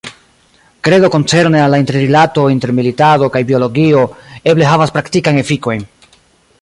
Kredo koncerne al la interrilato inter militado kaj biologio eble havas praktikajn efikojn.